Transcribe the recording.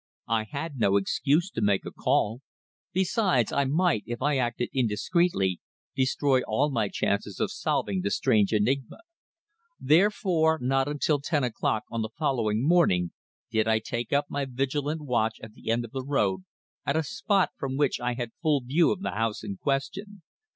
I had no excuse to make a call. Besides, I might, if I acted indiscreetly, destroy all my chances of solving the strange enigma. Therefore not until ten o'clock on the following morning did I take up my vigilant watch at the end of the road, at a spot from which I had full view of the house in question.